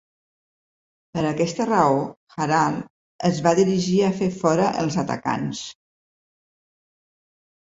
Per aquesta raó, Harald es va dirigir a fer fora els atacants.